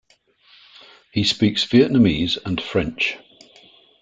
He speaks Vietnamese and French.